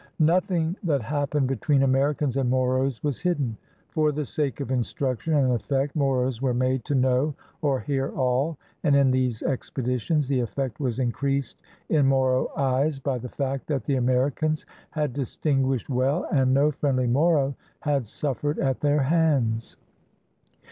Nothing that happened between Americans and Moros was hidden. For the sake of instruction and effect Moros were made to know or hear all, and in these expeditions the effect was increased in Moro eyes by the fact that the Americans had distinguished well, and no friendly Moro had suffered at their hands.